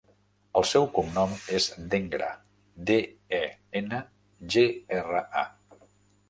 El seu cognom és Dengra: de, e, ena, ge, erra, a.